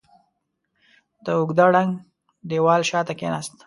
د اوږده ړنګ دېوال شاته کېناستل.